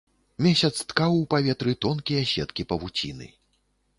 Месяц ткаў у паветры тонкія сеткі павуціны.